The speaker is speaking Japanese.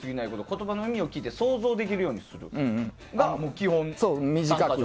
言葉の意味を聞いて想像できるようにするのが基本だと。